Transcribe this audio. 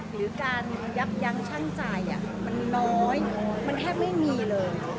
หรือการยับยั้งช่างจ่ายมันน้อยมันแทบไม่มีเลย